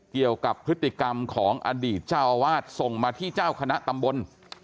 เกี่ยวกับพฤติกรรมของอดีตเจ้าอาวาสส่งมาที่เจ้าคณะตำบล